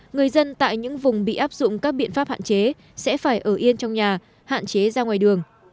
người dân tại những vùng bị áp dụng các biện pháp hạn chế sẽ phải ở yên trong nhà hạn chế ra ngoài đường